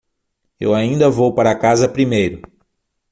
Eu ainda vou para casa primeiro.